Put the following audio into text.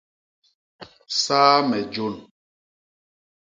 Saa me jôn.